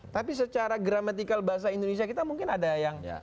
tapi secara gramatikal bahasa indonesia kita mungkin ada yang